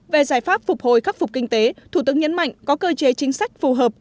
về giải pháp phục hồi khắc phục kinh tế thủ tướng nhấn mạnh có cơ chế chính sách phù hợp